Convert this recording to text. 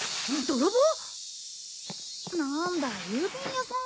泥棒！